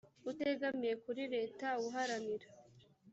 utegamiye kuri leta uharanira